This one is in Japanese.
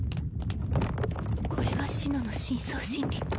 これが紫乃の深層心理。